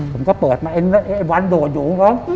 ผมก็เปิดมาไอ้วันโดดอยู่